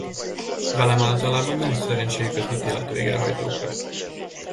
Velem általában nincs szerencséjük az ítéletvégrehajtóknak.